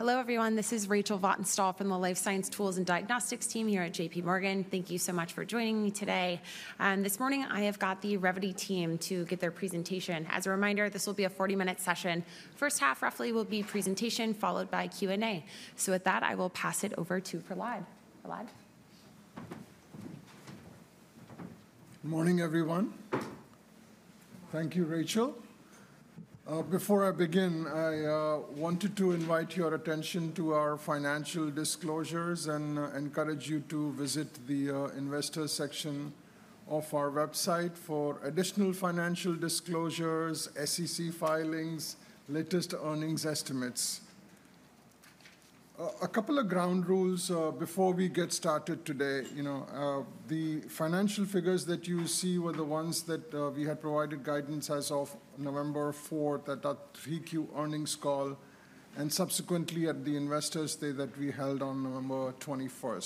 Hello, everyone. This is Rachel Vatnsdal from the Life Science Tools and Diagnostics team here at J.P. Morgan. Thank you so much for joining me today, and this morning, I have got the Revvity team to give their presentation. As a reminder, this will be a 40-minute session. The first half, roughly, will be a presentation, followed by Q&A, so with that, I will pass it over to Prahlad. Prahlad? Good morning, everyone. Thank you, Rachel. Before I begin, I wanted to invite your attention to our financial disclosures and encourage you to visit the Investor section of our website for additional financial disclosures, SEC filings, and latest earnings estimates. A couple of ground rules before we get started today. You know, the financial figures that you see were the ones that we had provided guidance as of November 4, at that 3Q earnings call, and subsequently at Investor Day that we held on November 21.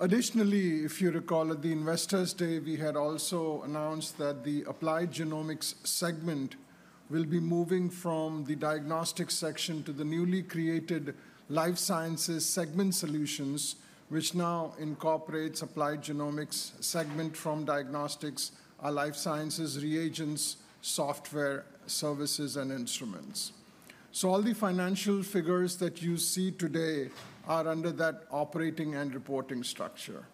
Additionally, if you recall, at Investor Day, we had also announced that the Applied Genomics segment will be moving from the Diagnostics segment to the newly created Life Sciences Segment Solutions, which now incorporates Applied Genomics segment from Diagnostics: Life Sciences Reagents, Software, Services, and Instruments. So all the financial figures that you see today are under that operating and reporting structure.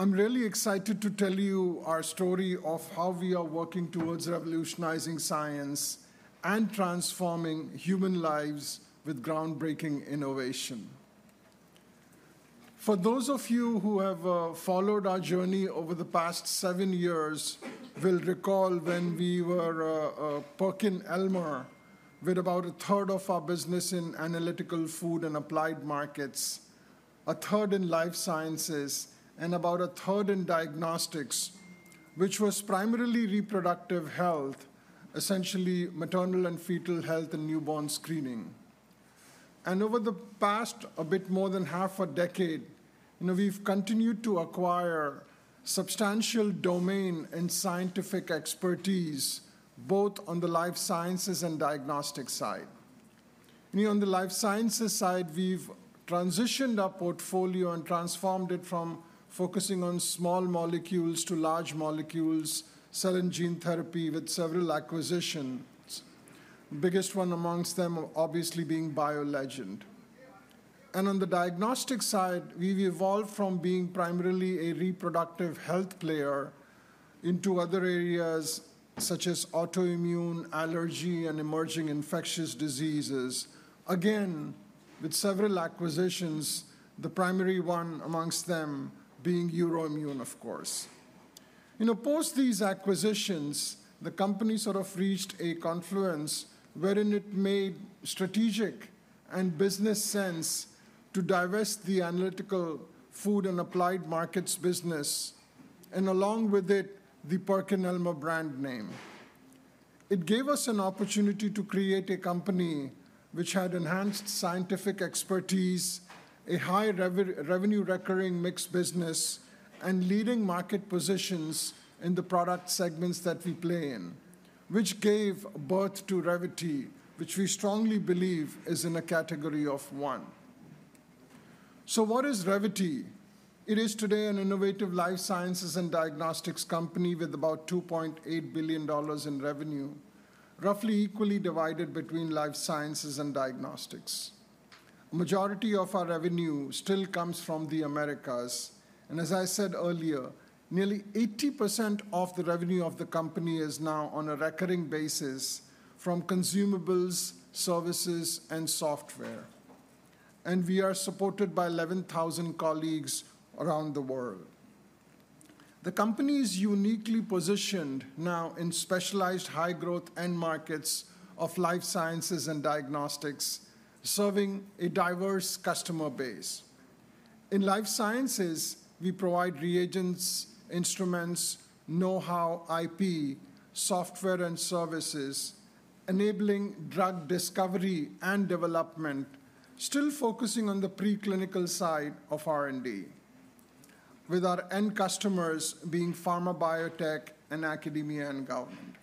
I'm really excited to tell you our story of how we are working towards revolutionizing science and transforming human lives with groundbreaking innovation. For those of you who have followed our journey over the past seven years, you'll recall when we were PerkinElmer with about a third of our business in analytical food and applied markets, a third in life sciences, and about a third in diagnostics, which was primarily reproductive health, essentially maternal and fetal health and newborn screening. And over the past, a bit more than half a decade, you know, we've continued to acquire substantial domain and scientific expertise, both on the life sciences and diagnostics side. On the life sciences side, we've transitioned our portfolio and transformed it from focusing on small molecules to large molecules, cell and gene therapy, with several acquisitions, the biggest one amongst them obviously being BioLegend. On the diagnostic side, we've evolved from being primarily a reproductive health player into other areas such as autoimmune, allergy, and emerging infectious diseases, again, with several acquisitions, the primary one amongst them being Euroimmun, of course. You know, post these acquisitions, the company sort of reached a confluence wherein it made strategic and business sense to divest the analytical food and applied markets business, and along with it, the PerkinElmer brand name. It gave us an opportunity to create a company which had enhanced scientific expertise, a high-revenue recurring mixed business, and leading market positions in the product segments that we play in, which gave birth to Revvity, which we strongly believe is in a category of one. What is Revvity? It is today an innovative life sciences and diagnostics company with about $2.8 billion in revenue, roughly equally divided between life sciences and diagnostics. The majority of our revenue still comes from the Americas, and as I said earlier, nearly 80% of the revenue of the company is now on a recurring basis from consumables, services, and software, and we are supported by 11,000 colleagues around the world. The company is uniquely positioned now in specialized high-growth end markets of life sciences and diagnostics, serving a diverse customer base. In life sciences, we provide reagents, instruments, know-how, IP, software, and services, enabling drug discovery and development, still focusing on the preclinical side of R&D, with our end customers being pharma biotech and academia and government,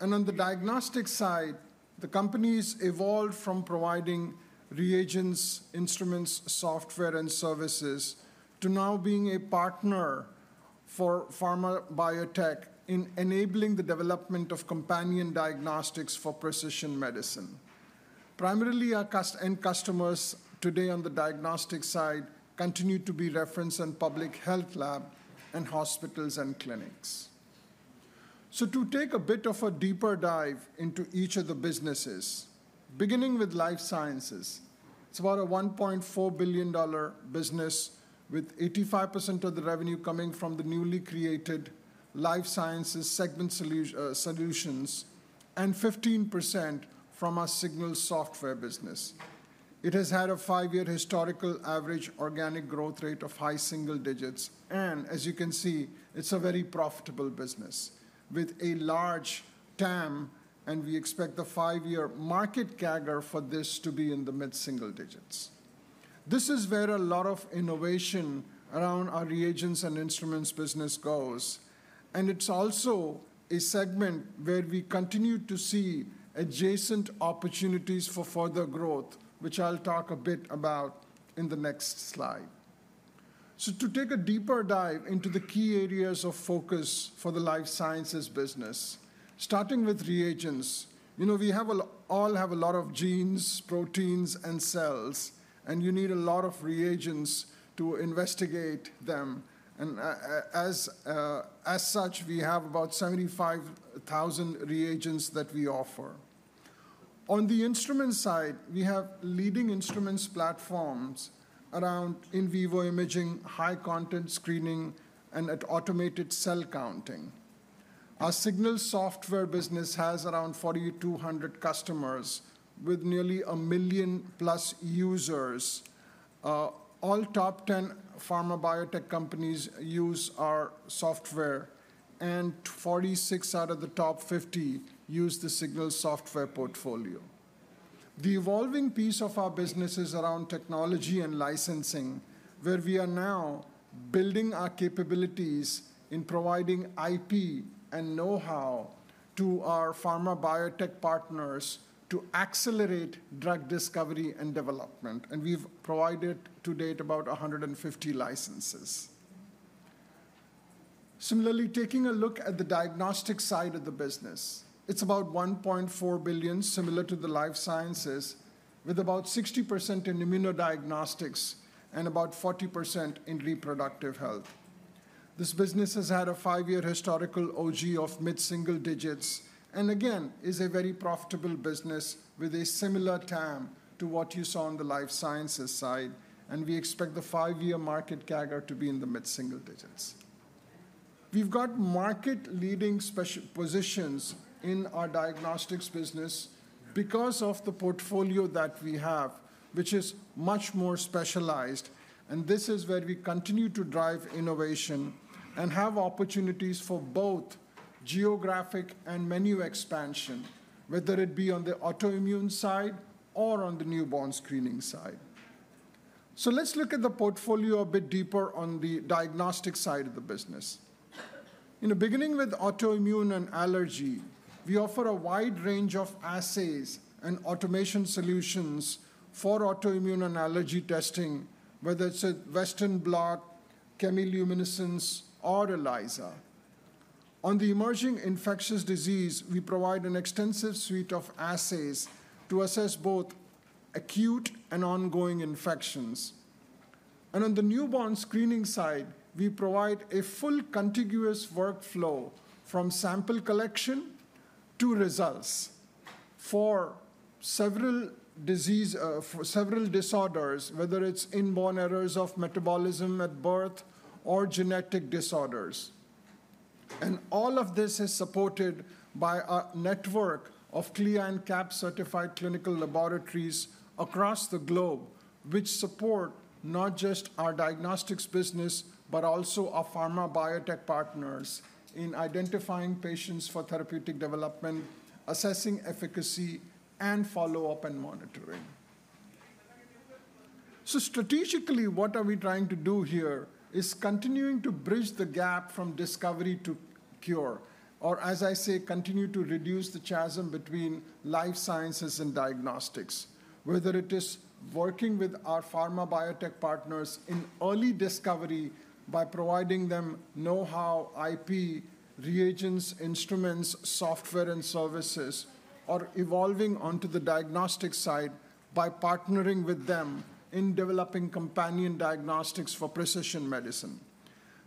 and on the diagnostic side, the company's evolved from providing reagents, instruments, software, and services to now being a partner for pharma biotech in enabling the development of companion diagnostics for precision medicine. Primarily, our end customers today on the diagnostic side continue to be reference and public health labs and hospitals and clinics. So to take a bit of a deeper dive into each of the businesses, beginning with Life Sciences, it's about a $1.4 billion business, with 85% of the revenue coming from the newly created Life Sciences Segment Solutions and 15% from our Signals software business. It has had a five-year historical average organic growth rate of high single digits. And as you can see, it's a very profitable business with a large TAM. And we expect the five-year market CAGR for this to be in the mid-single digits. This is where a lot of innovation around our reagents and instruments business goes. And it's also a segment where we continue to see adjacent opportunities for further growth, which I'll talk a bit about in the next slide. To take a deeper dive into the key areas of focus for the life sciences business, starting with reagents, you know, we all have a lot of genes, proteins, and cells, and you need a lot of reagents to investigate them. And as such, we have about 75,000 reagents that we offer. On the instrument side, we have leading instruments platforms around in vivo imaging, high-content screening, and automated cell counting. Our Signals software business has around 4,200 customers with nearly a million-plus users. All top 10 pharma biotech companies use our software, and 46 out of the top 50 use the Signals software portfolio. The evolving piece of our business is around technology and licensing, where we are now building our capabilities in providing IP and know-how to our pharma biotech partners to accelerate drug discovery and development. And we've provided to date about 150 licenses. Similarly, taking a look at the diagnostic side of the business, it's about $1.4 billion, similar to the life sciences, with about 60% in immunodiagnostics and about 40% in reproductive health. This business has had a five-year historical OG of mid-single digits and, again, is a very profitable business with a similar TAM to what you saw on the life sciences side, and we expect the five-year market CAGR to be in the mid-single digits. We've got market-leading positions in our diagnostics business because of the portfolio that we have, which is much more specialized, and this is where we continue to drive innovation and have opportunities for both geographic and menu expansion, whether it be on the autoimmune side or on the newborn screening side, so let's look at the portfolio a bit deeper on the diagnostic side of the business. You know, beginning with autoimmune and allergy, we offer a wide range of assays and automation solutions for autoimmune and allergy testing, whether it's a Western blot, chemiluminescence, or ELISA. On the emerging infectious disease, we provide an extensive suite of assays to assess both acute and ongoing infections. And on the newborn screening side, we provide a full contiguous workflow from sample collection to results for several diseases, for several disorders, whether it's inborn errors of metabolism at birth or genetic disorders. And all of this is supported by a network of CLIA and CAP certified clinical laboratories across the globe, which support not just our diagnostics business, but also our pharma biotech partners in identifying patients for therapeutic development, assessing efficacy, and follow-up and monitoring. So strategically, what are we trying to do here is continue to bridge the gap from discovery to cure, or, as I say, continue to reduce the chasm between life sciences and diagnostics, whether it is working with our pharma biotech partners in early discovery by providing them know-how, IP, reagents, instruments, software, and services, or evolving onto the diagnostic side by partnering with them in developing companion diagnostics for precision medicine.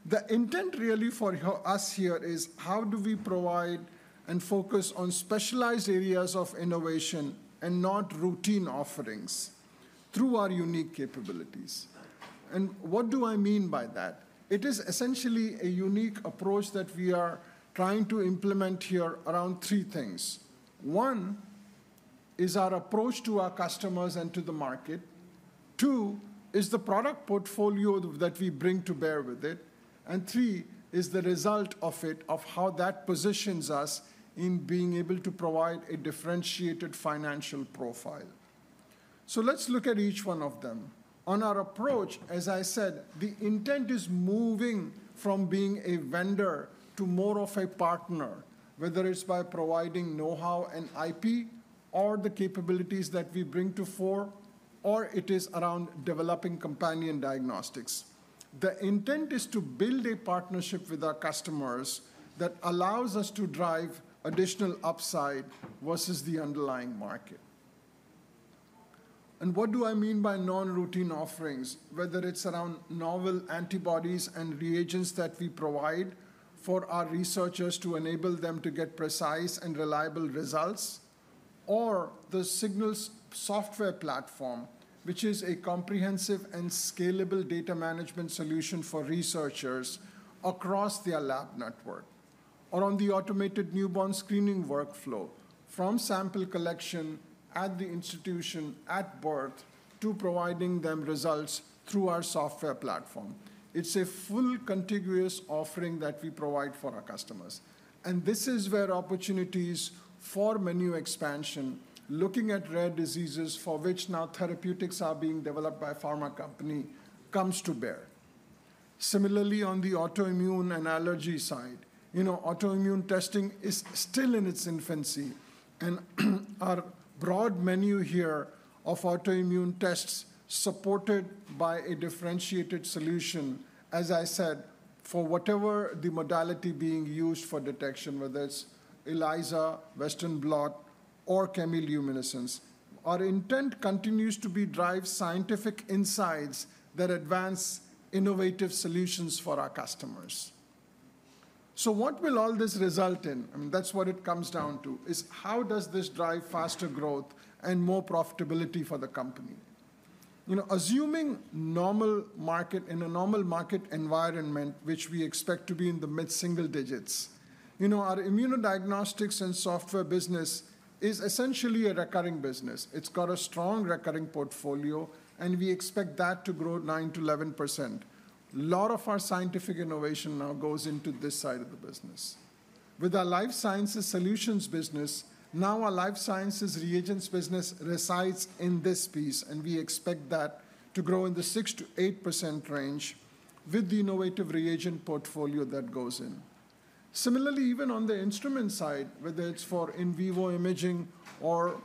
The intent really for us here is how do we provide and focus on specialized areas of innovation and not routine offerings through our unique capabilities. And what do I mean by that? It is essentially a unique approach that we are trying to implement here around three things. One is our approach to our customers and to the market. Two is the product portfolio that we bring to bear with it. Three is the result of it, of how that positions us in being able to provide a differentiated financial profile. Let's look at each one of them. On our approach, as I said, the intent is moving from being a vendor to more of a partner, whether it's by providing know-how and IP or the capabilities that we bring to the fore, or it is around developing companion diagnostics. The intent is to build a partnership with our customers that allows us to drive additional upside versus the underlying market. And what do I mean by non-routine offerings, whether it's around novel antibodies and reagents that we provide for our researchers to enable them to get precise and reliable results, or the Signals software platform, which is a comprehensive and scalable data management solution for researchers across their lab network, or on the automated newborn screening workflow from sample collection at the institution at birth to providing them results through our software platform. It's a full contiguous offering that we provide for our customers. And this is where opportunities for menu expansion, looking at rare diseases for which now therapeutics are being developed by pharma companies, comes to bear. Similarly, on the autoimmune and allergy side, you know, autoimmune testing is still in its infancy. Our broad menu here of autoimmune tests supported by a differentiated solution, as I said, for whatever the modality being used for detection, whether it's ELISA, Western blot, or chemiluminescence, our intent continues to drive scientific insights that advance innovative solutions for our customers. What will all this result in? I mean, that's what it comes down to, is how does this drive faster growth and more profitability for the company? You know, assuming normal market in a normal market environment, which we expect to be in the mid-single digits, you know, our immunodiagnostics and software business is essentially a recurring business. It's got a strong recurring portfolio, and we expect that to grow 9%-11%. A lot of our scientific innovation now goes into this side of the business. With our life sciences solutions business, now our life sciences reagents business resides in this piece, and we expect that to grow in the 6%-8% range with the innovative reagent portfolio that goes in. Similarly, even on the instrument side, whether it's for in vivo imaging or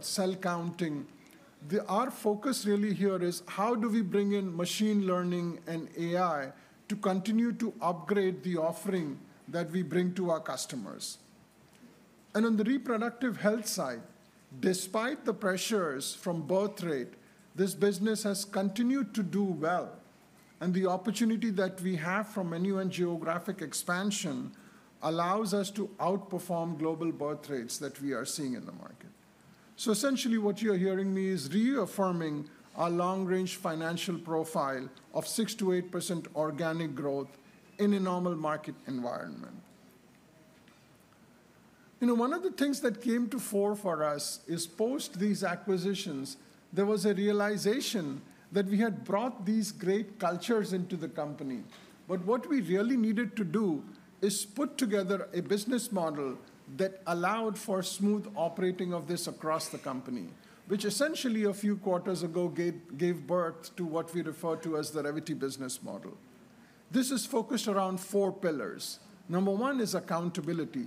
cell counting, our focus really here is how do we bring in machine learning and AI to continue to upgrade the offering that we bring to our customers. And on the reproductive health side, despite the pressures from birth rate, this business has continued to do well. And the opportunity that we have from menu and geographic expansion allows us to outperform global birth rates that we are seeing in the market. So essentially, what you're hearing me is reaffirming our long-range financial profile of 6%-8% organic growth in a normal market environment. You know, one of the things that came to the fore for us is post these acquisitions, there was a realization that we had brought these great cultures into the company. But what we really needed to do is put together a business model that allowed for smooth operation of this across the company, which essentially, a few quarters ago, gave birth to what we refer to as the Revvity business model. This is focused around four pillars. Number one is accountability.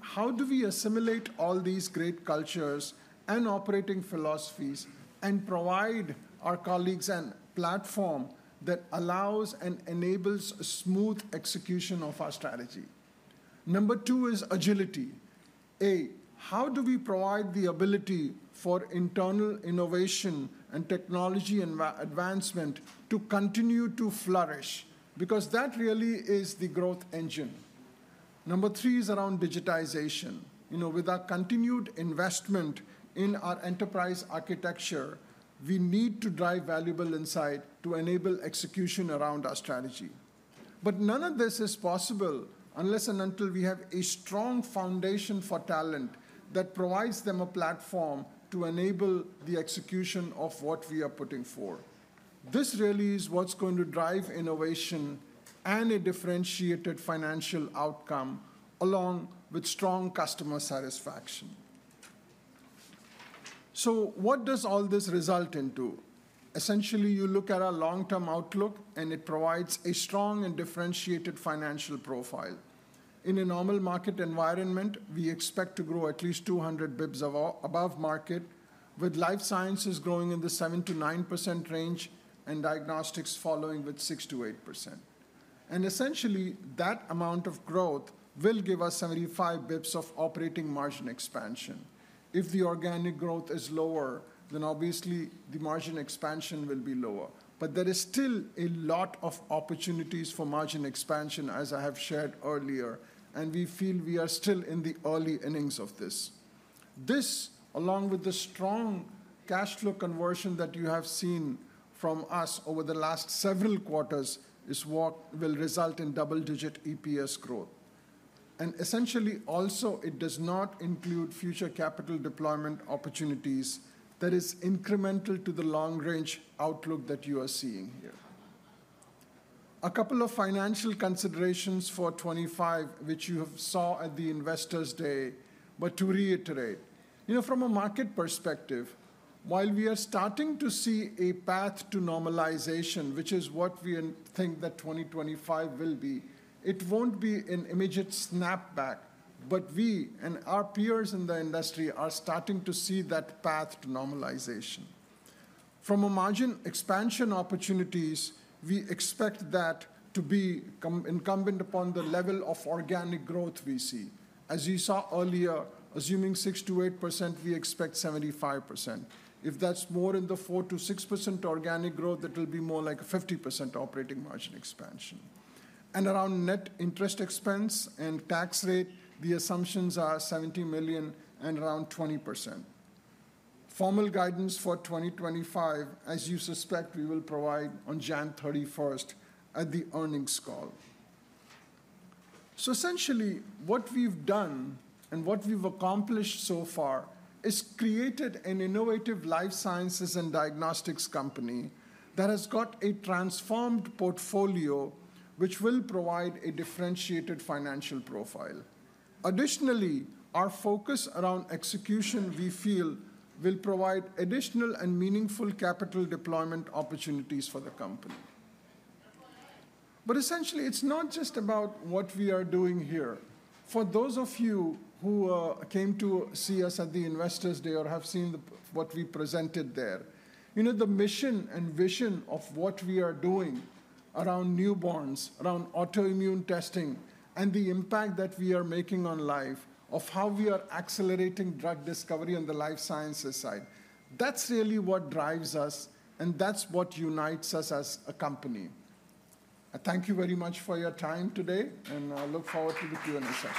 How do we assimilate all these great cultures and operating philosophies and provide our colleagues a platform that allows and enables a smooth execution of our strategy? Number two is agility. A, how do we provide the ability for internal innovation and technology and advancement to continue to flourish? Because that really is the growth engine. Number three is around digitization. You know, with our continued investment in our enterprise architecture, we need to drive valuable insight to enable execution around our strategy. But none of this is possible unless and until we have a strong foundation for talent that provides them a platform to enable the execution of what we are putting forth. This really is what's going to drive innovation and a differentiated financial outcome along with strong customer satisfaction. So what does all this result into? Essentially, you look at our long-term outlook, and it provides a strong and differentiated financial profile. In a normal market environment, we expect to grow at least 200 basis points above market, with life sciences growing in the 7%-9% range and diagnostics following with 6%-8%. And essentially, that amount of growth will give us 75 basis points of operating margin expansion. If the organic growth is lower, then obviously the margin expansion will be lower. But there is still a lot of opportunities for margin expansion, as I have shared earlier, and we feel we are still in the early innings of this. This, along with the strong cash flow conversion that you have seen from us over the last several quarters, is what will result in double-digit EPS growth. And essentially, also, it does not include future capital deployment opportunities that are incremental to the long-range outlook that you are seeing here. A couple of financial considerations for 2025, which you have saw at Investor Day, but to reiterate, you know, from a market perspective, while we are starting to see a path to normalization, which is what we think that 2025 will be, it won't be an immediate snapback, but we and our peers in the industry are starting to see that path to normalization. From margin expansion opportunities, we expect that to be incumbent upon the level of organic growth we see. As you saw earlier, assuming 6%-8%, we expect 75%. If that's more in the 4%-6% organic growth, that'll be more like a 50% operating margin expansion. And around net interest expense and tax rate, the assumptions are $70 million and around 20%. Formal guidance for 2025, as you suspect, we will provide on January 31st at the earnings call. So essentially, what we've done and what we've accomplished so far is created an innovative life sciences and diagnostics company that has got a transformed portfolio, which will provide a differentiated financial profile. Additionally, our focus around execution, we feel, will provide additional and meaningful capital deployment opportunities for the company. But essentially, it's not just about what we are doing here. For those of you who came to see us at Investor Day or have seen what we presented there, you know, the mission and vision of what we are doing around newborns, around autoimmune testing, and the impact that we are making on life, of how we are accelerating drug discovery on the life sciences side, that's really what drives us, and that's what unites us as a company. I thank you very much for your time today, and I look forward to the Q&A session.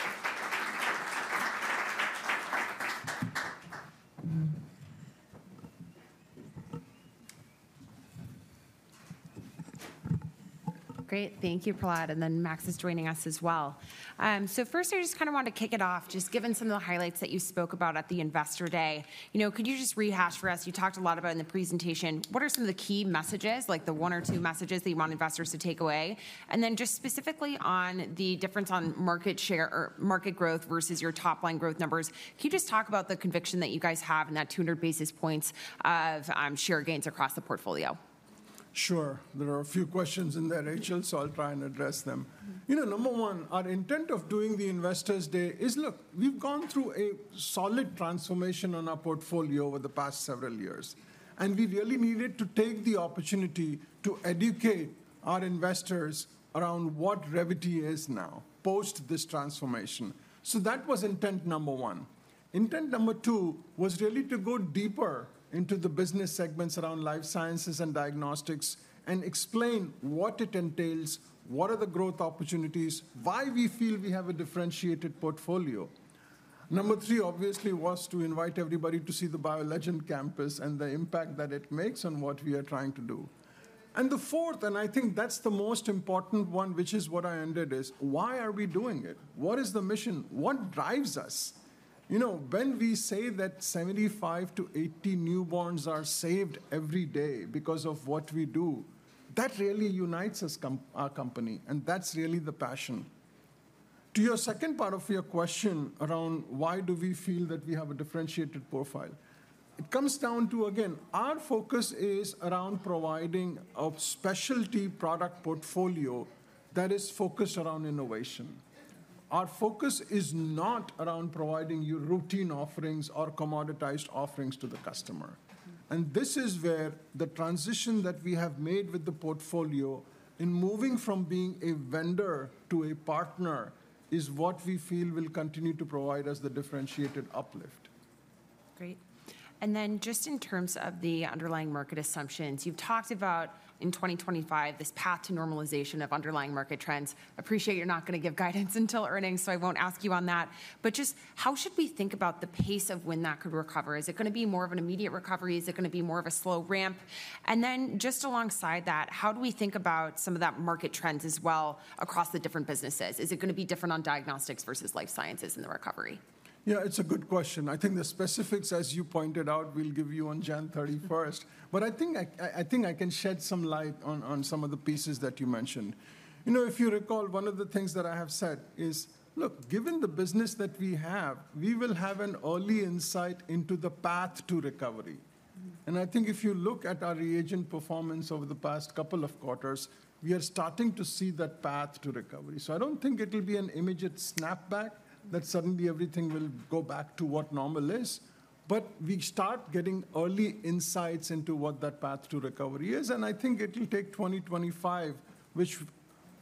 Great. Thank you, Prahlad. And then Max is joining us as well. So first, I just kind of want to kick it off, just given some of the highlights that you spoke about at the Investor Day. You know, could you just rehash for us? You talked a lot about in the presentation, what are some of the key messages, like the one or two messages that you want investors to take away? And then just specifically on the difference on market share or market growth versus your top-line growth numbers, can you just talk about the conviction that you guys have in that 200 basis points of share gains across the portfolio? Sure. There are a few questions in there, Rachel, so I'll try and address them. You know, number one, our intent of doing Investor Day is, look, we've gone through a solid transformation on our portfolio over the past several years, and we really needed to take the opportunity to educate our investors around what Revvity is now post this transformation. So that was intent number one. Intent number two was really to go deeper into the business segments around life sciences and diagnostics and explain what it entails, what are the growth opportunities, why we feel we have a differentiated portfolio. Number three, obviously, was to invite everybody to see the BioLegend campus and the impact that it makes on what we are trying to do. And the fourth, and I think that's the most important one, which is what I ended is, why are we doing it? What is the mission? What drives us? You know, when we say that 75-80 newborns are saved every day because of what we do, that really unites our company, and that's really the passion. To your second part of your question around why do we feel that we have a differentiated profile, it comes down to, again, our focus is around providing a specialty product portfolio that is focused around innovation. Our focus is not around providing your routine offerings or commoditized offerings to the customer. And this is where the transition that we have made with the portfolio in moving from being a vendor to a partner is what we feel will continue to provide us the differentiated uplift. Great. And then just in terms of the underlying market assumptions, you've talked about in 2025, this path to normalization of underlying market trends. Appreciate you're not going to give guidance until earnings, so I won't ask you on that. But just how should we think about the pace of when that could recover? Is it going to be more of an immediate recovery? Is it going to be more of a slow ramp? And then just alongside that, how do we think about some of that market trends as well across the different businesses? Is it going to be different on diagnostics versus life sciences in the recovery? Yeah, it's a good question. I think the specifics, as you pointed out, we'll give you on January 31st. But I think I can shed some light on some of the pieces that you mentioned. You know, if you recall, one of the things that I have said is, look, given the business that we have, we will have an early insight into the path to recovery. And I think if you look at our reagent performance over the past couple of quarters, we are starting to see that path to recovery. So I don't think it'll be an immediate snapback that suddenly everything will go back to what normal is. But we start getting early insights into what that path to recovery is. And I think it'll take 2025, which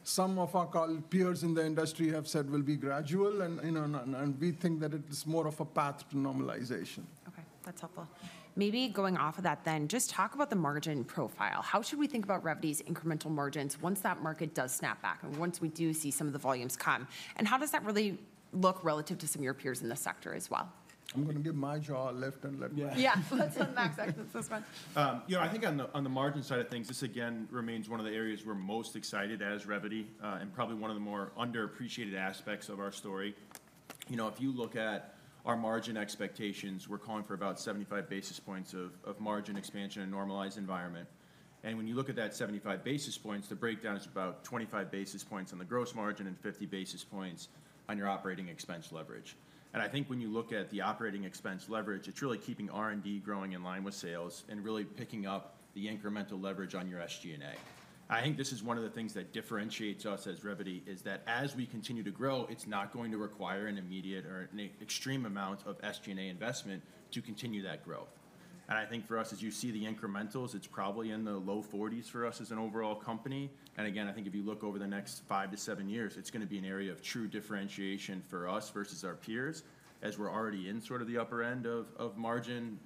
some of our peers in the industry have said will be gradual. And we think that it is more of a path to normalization. Okay, that's helpful. Maybe going off of that then, just talk about the margin profile. How should we think about Revvity's incremental margins once that market does snap back and once we do see some of the volumes come? And how does that really look relative to some of your peers in the sector as well? I'm going to give my jaw a rest and let go. Yeah, let's let Max exit this one. You know, I think on the margin side of things, this again remains one of the areas we're most excited as Revvity and probably one of the more underappreciated aspects of our story. You know, if you look at our margin expectations, we're calling for about 75 basis points of margin expansion in a normalized environment. And when you look at that 75 basis points, the breakdown is about 25 basis points on the gross margin and 50 basis points on your operating expense leverage. And I think when you look at the operating expense leverage, it's really keeping R&D growing in line with sales and really picking up the incremental leverage on your SG&A. I think this is one of the things that differentiates us as Revvity is that as we continue to grow, it's not going to require an immediate or an extreme amount of SG&A investment to continue that growth. And I think for us, as you see the incrementals, it's probably in the low 40s for us as an overall company. And again, I think if you look over the next five to seven years, it's going to be an area of true differentiation for us versus our peers as we're already in sort of the upper end of margin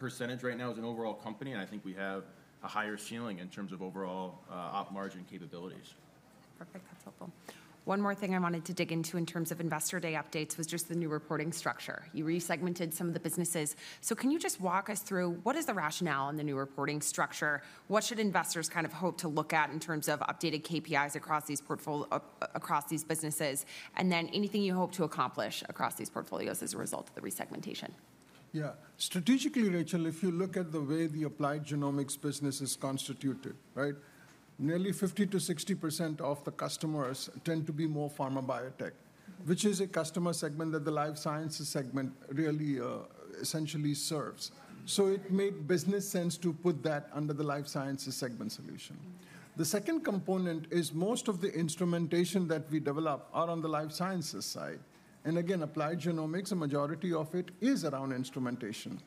percentage right now as an overall company. I think we have a higher ceiling in terms of overall op margin capabilities. Perfect. That's helpful. One more thing I wanted to dig into in terms of Investor Day updates was just the new reporting structure. You resegmented some of the businesses. So can you just walk us through what is the rationale on the new reporting structure? What should investors kind of hope to look at in terms of updated KPIs across these businesses? And then anything you hope to accomplish across these portfolios as a result of the resegmentation? Yeah, strategically, Rachel, if you look at the way the Applied Genomics business is constituted, right, nearly 50%-60% of the customers tend to be more pharma biotech, which is a customer segment that the life sciences segment really essentially serves. So it made business sense to put that under the life sciences segment solution. The second component is most of the instrumentation that we develop are on the life sciences side, and again, Applied Genomics, a majority of it is around instrumentation,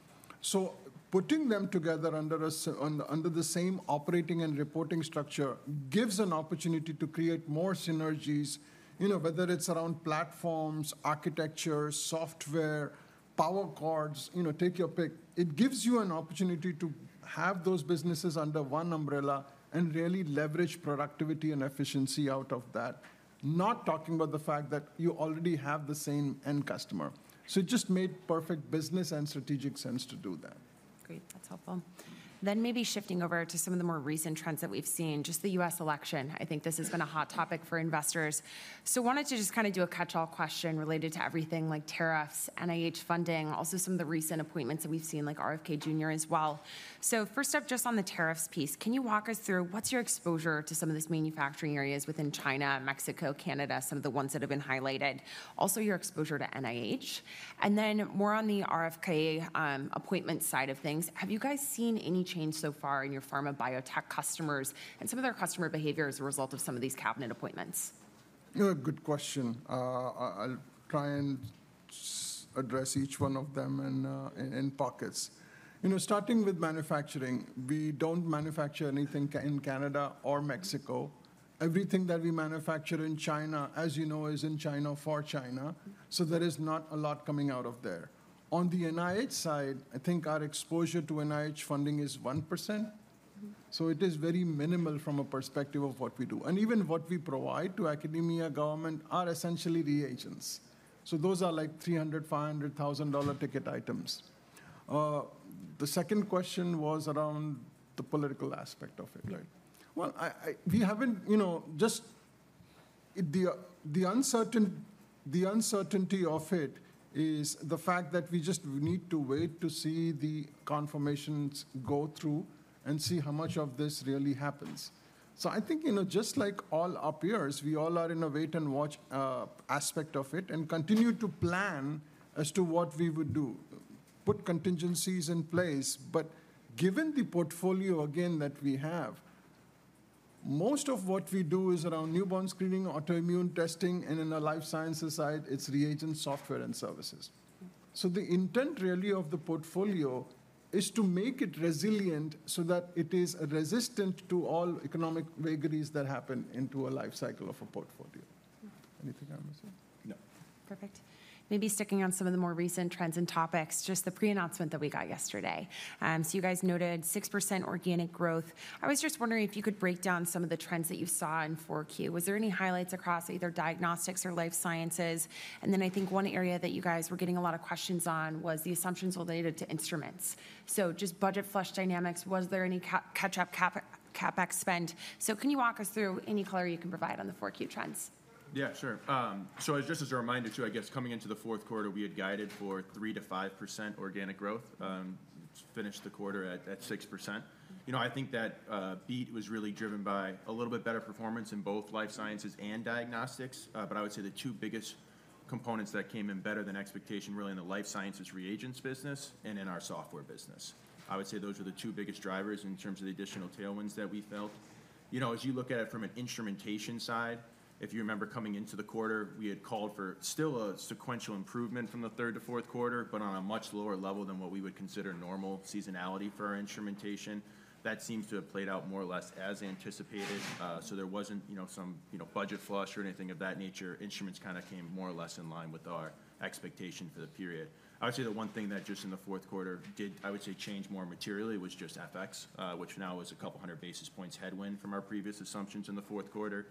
so putting them together under the same operating and reporting structure gives an opportunity to create more synergies, you know, whether it's around platforms, architectures, software, power cords, you know, take your pick. It gives you an opportunity to have those businesses under one umbrella and really leverage productivity and efficiency out of that. Not talking about the fact that you already have the same end customer, so it just made perfect business and strategic sense to do that. Great. That's helpful, then maybe shifting over to some of the more recent trends that we've seen, just the U.S. election, I think this has been a hot topic for investors. So I wanted to just kind of do a catch-all question related to everything like tariffs, NIH funding, also some of the recent appointments that we've seen like RFK Jr. as well. So first up, just on the tariffs piece, can you walk us through what's your exposure to some of these manufacturing areas within China, Mexico, Canada, some of the ones that have been highlighted, also your exposure to NIH? And then more on the RFK appointment side of things. Have you guys seen any change so far in your pharma biotech customers and some of their customer behavior as a result of some of these cabinet appointments? You know, a good question. I'll try and address each one of them in pockets. You know, starting with manufacturing, we don't manufacture anything in Canada or Mexico. Everything that we manufacture in China, as you know, is in China for China. So there is not a lot coming out of there. On the NIH side, I think our exposure to NIH funding is 1%. So it is very minimal from a perspective of what we do, and even what we provide to academia, government are essentially reagents. So those are like $300,000-$500,000 ticket items. The second question was around the political aspect of it, right? Well, we haven't, you know, just the uncertainty of it is the fact that we just need to wait to see the confirmations go through and see how much of this really happens. So I think, you know, just like all our peers, we all are in a wait-and-watch aspect of it and continue to plan as to what we would do, put contingencies in place. But given the portfolio again that we have, most of what we do is around newborn screening, autoimmune testing, and in the life sciences side, it's reagents, software, and services. So the intent really of the portfolio is to make it resilient so that it is resistant to all economic vagaries that happen into a life cycle of a portfolio. Anything I'm missing? No. Perfect. Maybe sticking on some of the more recent trends and topics, just the pre-announcement that we got yesterday. So you guys noted 6% organic growth. I was just wondering if you could break down some of the trends that you saw in 4Q. Was there any highlights across either diagnostics or life sciences? And then I think one area that you guys were getting a lot of questions on was the assumptions related to instruments. So just budget flush dynamics, was there any catch-up CapEx spend? So can you walk us through any color you can provide on the 4Q trends? Yeah, sure. So just as a reminder too, I guess coming into the fourth quarter, we had guided for 3%-5% organic growth. Finished the quarter at 6%. You know, I think that beat was really driven by a little bit better performance in both life sciences and diagnostics. But I would say the two biggest components that came in better than expectation really in the life sciences reagents business and in our software business. I would say those were the two biggest drivers in terms of the additional tailwinds that we felt. You know, as you look at it from an instrumentation side, if you remember coming into the quarter, we had called for still a sequential improvement from the third to fourth quarter, but on a much lower level than what we would consider normal seasonality for our instrumentation. That seems to have played out more or less as anticipated. So there wasn't, you know, some, you know, budget flush or anything of that nature. Instruments kind of came more or less in line with our expectation for the period. I would say the one thing that just in the fourth quarter did, I would say, change more materially was just FX, which now was a couple hundred basis points headwind from our previous assumptions in the fourth quarter.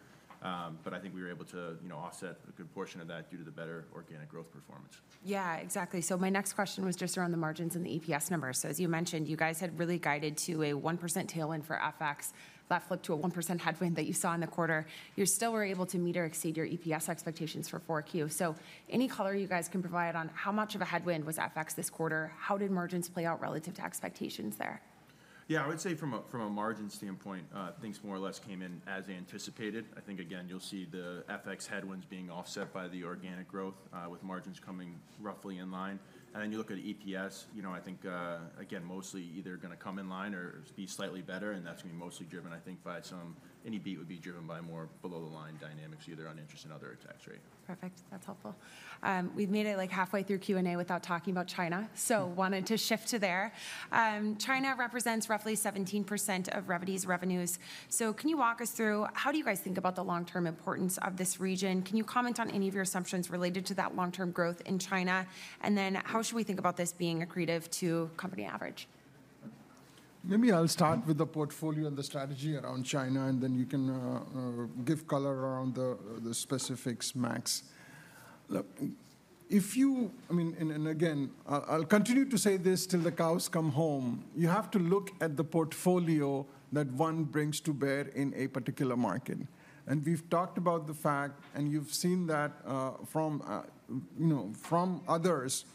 But I think we were able to, you know, offset a good portion of that due to the better organic growth performance. Yeah, exactly. So my next question was just around the margins and the EPS numbers. So as you mentioned, you guys had really guided to a 1% tailwind for FX, that flipped to a 1% headwind that you saw in the quarter. You still were able to meet or exceed your EPS expectations for 4Q. So any color you guys can provide on how much of a headwind was FX this quarter? How did margins play out relative to expectations there? Yeah, I would say from a margin standpoint, things more or less came in as anticipated. I think, again, you'll see the FX headwinds being offset by the organic growth with margins coming roughly in line. And then you look at EPS, you know, I think, again, mostly either going to come in line or be slightly better. That's going to be mostly driven, I think, by some, any beat would be driven by more below-the-line dynamics, either on interest and other tax rate. Perfect. That's helpful. We've made it like halfway through Q&A without talking about China. Wanted to shift to there. China represents roughly 17% of Revvity's revenues. Can you walk us through how do you guys think about the long-term importance of this region? Can you comment on any of your assumptions related to that long-term growth in China? And then how should we think about this being accretive to company average? Maybe I'll start with the portfolio and the strategy around China, and then you can give color around the specifics, Max. I mean, and again, I'll continue to say this till the cows come home. You have to look at the portfolio that one brings to bear in a particular market, and we've talked about the fact, and you've seen that from, you know, from others.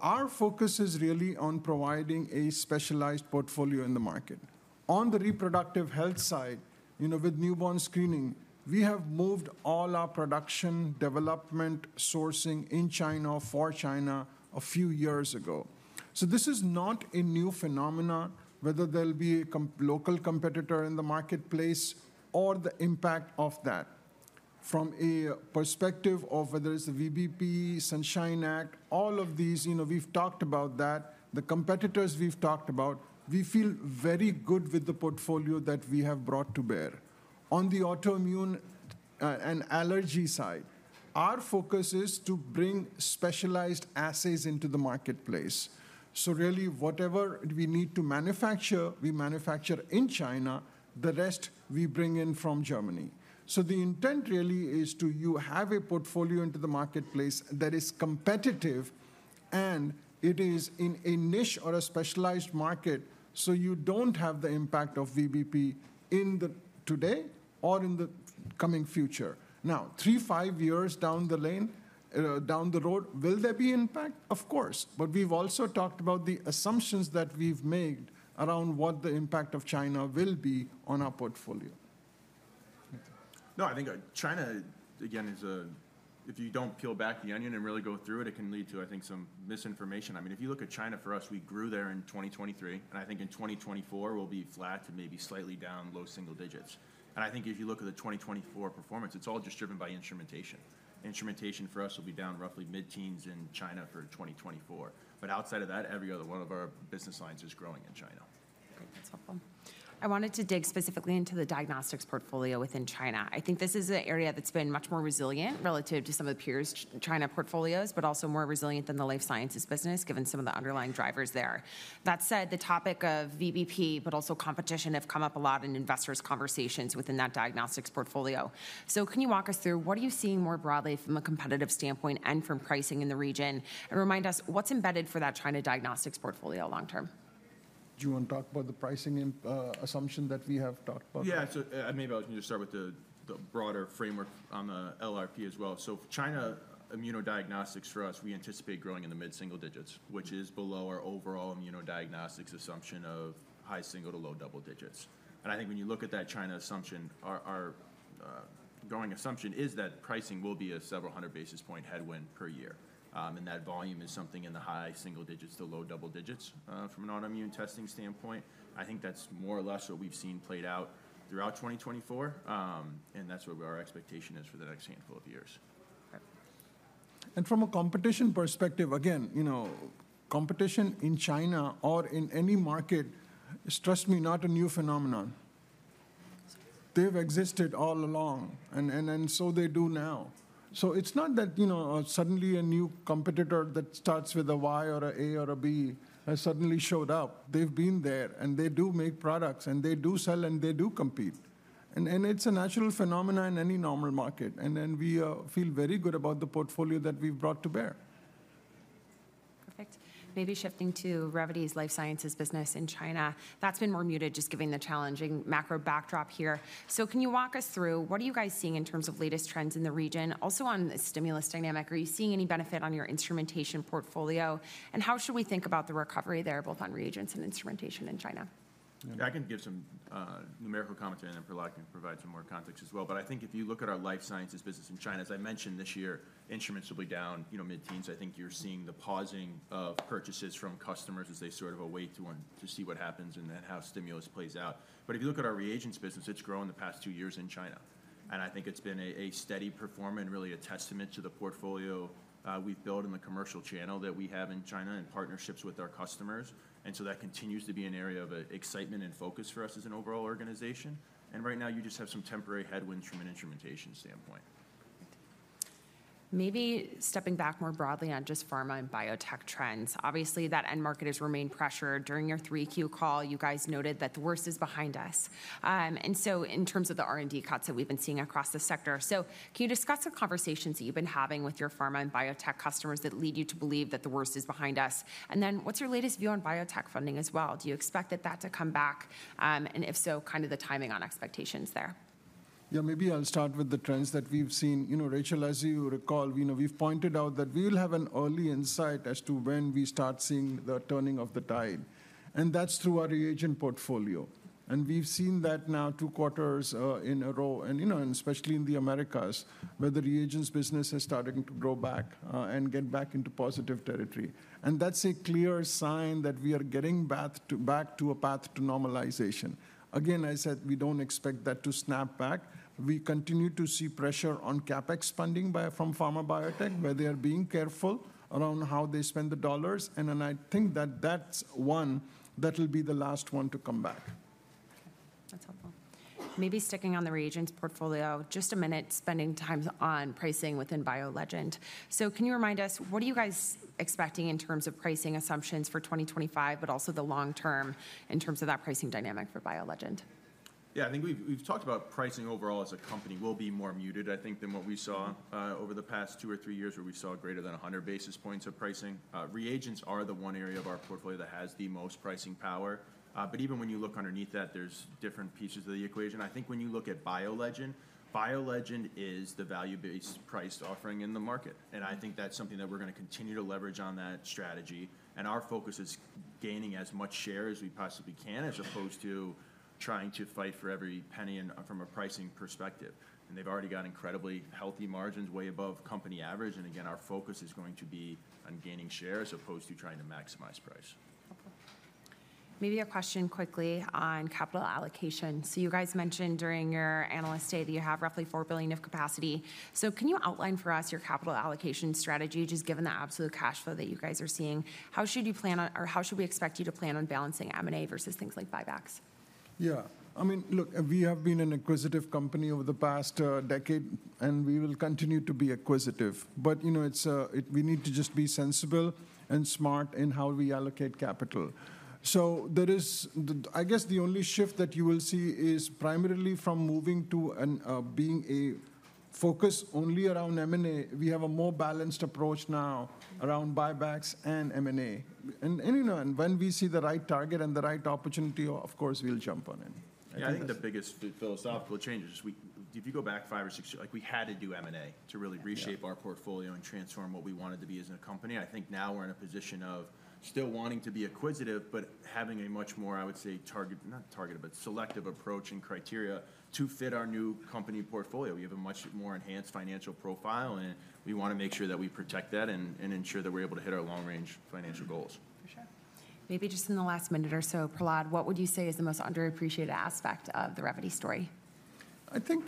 Our focus is really on providing a specialized portfolio in the market. On the reproductive health side, you know, with newborn screening, we have moved all our production, development, sourcing in China for China a few years ago, so this is not a new phenomenon, whether there'll be a local competitor in the marketplace or the impact of that. From a perspective of whether it's the VBP, Sunshine Act, all of these, you know, we've talked about that. The competitors we've talked about, we feel very good with the portfolio that we have brought to bear. On the autoimmune and allergy side, our focus is to bring specialized assays into the marketplace. So really, whatever we need to manufacture, we manufacture in China. The rest, we bring in from Germany. So the intent really is to have a portfolio into the marketplace that is competitive, and it is in a niche or a specialized market, so you don't have the impact of VBP in the today or in the coming future. Now, three, five years down the lane, down the road, will there be impact? Of course. But we've also talked about the assumptions that we've made around what the impact of China will be on our portfolio. No, I think China, again, is a, if you don't peel back the onion and really go through it, it can lead to, I think, some misinformation. I mean, if you look at China for us, we grew there in 2023, and I think in 2024, we'll be flat to maybe slightly down low single digits. And I think if you look at the 2024 performance, it's all just driven by instrumentation. Instrumentation for us will be down roughly mid-teens in China for 2024. But outside of that, every other one of our business lines is growing in China. Okay, that's helpful. I wanted to dig specifically into the diagnostics portfolio within China. I think this is an area that's been much more resilient relative to some of the peers' China portfolios, but also more resilient than the life sciences business, given some of the underlying drivers there. That said, the topic of VBP, but also competition, have come up a lot in investors' conversations within that diagnostics portfolio. Can you walk us through what you are seeing more broadly from a competitive standpoint and from pricing in the region? And remind us, what is embedded for that China diagnostics portfolio long term? Do you want to talk about the pricing assumption that we have talked about? Yeah, so maybe I can just start with the broader framework on the LRP as well. China immunodiagnostics for us, we anticipate growing in the mid-single digits, which is below our overall immunodiagnostics assumption of high single to low double digits. And I think when you look at that China assumption, our growing assumption is that pricing will be a several hundred basis point headwind per year. And that volume is something in the high single digits to low double digits from an autoimmune testing standpoint. I think that's more or less what we've seen played out throughout 2024. And that's what our expectation is for the next handful of years. And from a competition perspective, again, you know, competition in China or in any market is, trust me, not a new phenomenon. They've existed all along, and so they do now. So it's not that, you know, suddenly a new competitor that starts with a Y or a A or a B has suddenly showed up. They've been there, and they do make products, and they do sell, and they do compete. And it's a natural phenomenon in any normal market. And then we feel very good about the portfolio that we've brought to bear. Perfect. Maybe shifting to Revvity's life sciences business in China. That's been more muted, given the challenging macro backdrop here. So can you walk us through what are you guys seeing in terms of latest trends in the region? Also on the stimulus dynamic, are you seeing any benefit on your instrumentation portfolio? And how should we think about the recovery there, both on reagents and instrumentation in China? I can give some numerical comment to it, and if we're lucky to provide some more context as well. But I think if you look at our life sciences business in China, as I mentioned, this year, instruments will be down, you know, mid-teens. I think you're seeing the pausing of purchases from customers as they sort of await to see what happens and then how stimulus plays out. But if you look at our reagents business, it's grown in the past two years in China. And I think it's been a steady performer and really a testament to the portfolio we've built in the commercial channel that we have in China and partnerships with our customers. And so that continues to be an area of excitement and focus for us as an overall organization. And right now, you just have some temporary headwinds from an instrumentation standpoint. Maybe stepping back more broadly on just pharma and biotech trends. Obviously, that end market has remained pressured. During your 3Q call, you guys noted that the worst is behind us. And so in terms of the R&D cuts that we've been seeing across the sector, so can you discuss the conversations that you've been having with your pharma and biotech customers that lead you to believe that the worst is behind us? And then what's your latest view on biotech funding as well? Do you expect that that to come back? And if so, kind of the timing on expectations there? Yeah, maybe I'll start with the trends that we've seen. You know, Rachel, as you recall, you know, we've pointed out that we will have an early insight as to when we start seeing the turning of the tide. That's through our reagent portfolio. We've seen that now two quarters in a row, and you know, and especially in the Americas, where the reagents business is starting to grow back and get back into positive territory. That's a clear sign that we are getting back to a path to normalization. Again, I said we don't expect that to snap back. We continue to see pressure on CapEx funding from pharma biotech, where they are being careful around how they spend the dollars. I think that that's one that will be the last one to come back. That's helpful. Maybe sticking on the reagents portfolio, just a minute, spending time on pricing within BioLegend. So can you remind us, what are you guys expecting in terms of pricing assumptions for 2025, but also the long term in terms of that pricing dynamic for BioLegend? Yeah, I think we've talked about pricing overall as a company will be more muted, I think, than what we saw over the past two or three years where we saw greater than 100 basis points of pricing. Reagents are the one area of our portfolio that has the most pricing power. But even when you look underneath that, there's different pieces of the equation. I think when you look at BioLegend, BioLegend is the value-based priced offering in the market. And I think that's something that we're going to continue to leverage on that strategy. Our focus is gaining as much share as we possibly can, as opposed to trying to fight for every penny from a pricing perspective. They've already got incredibly healthy margins way above company average. Again, our focus is going to be on gaining share as opposed to trying to maximize price. Maybe a question quickly on capital allocation. You guys mentioned during your analyst day that you have roughly $4 billion of capacity. Can you outline for us your capital allocation strategy, just given the absolute cash flow that you guys are seeing? How should you plan on, or how should we expect you to plan on balancing M&A versus things like buybacks? Yeah, I mean, look, we have been an acquisitive company over the past decade, and we will continue to be acquisitive. But, you know, it's, we need to just be sensible and smart in how we allocate capital. So there is, I guess the only shift that you will see is primarily from moving to being a focus only around M&A. We have a more balanced approach now around buybacks and M&A. And, you know, and when we see the right target and the right opportunity, of course, we'll jump on it. I think the biggest philosophical change is if you go back five or six years, like we had to do M&A to really reshape our portfolio and transform what we wanted to be as a company. I think now we're in a position of still wanting to be acquisitive, but having a much more, I would say, target, not target, but selective approach and criteria to fit our new company portfolio. We have a much more enhanced financial profile, and we want to make sure that we protect that and ensure that we're able to hit our long-range financial goals. For sure. Maybe just in the last minute or so, Prahlad, what would you say is the most underappreciated aspect of the Revvity story? I think.